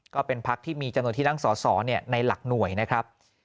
ก็เป็นพักที่มีจำนวนที่นั่งสอสอในหลักหน่วยนะครับ